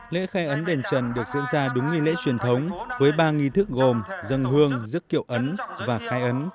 lễ khai ấn đền trần được diễn ra đúng nghi lễ truyền thống với ba nghi thức gồm dân hương giấc kiệu ấn và khai ấn